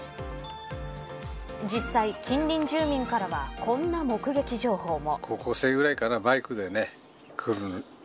実際、近隣住民からはこんな目撃情報も。